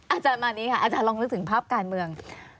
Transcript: อาจารย์มานี้ค่ะอาจารย์ลองนึกถึงภาพการเมือง